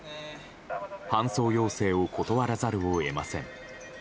搬送要請を断らざるを得ません。